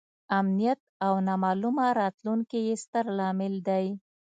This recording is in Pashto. امنیت او نامعلومه راتلونکې یې ستر لامل دی.